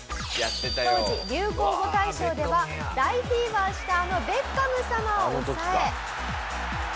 当時流行語大賞では大フィーバーしたあの「ベッカム様」を抑え。